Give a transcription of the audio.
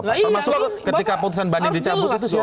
termasuk ketika putusan bani dicabut itu siapa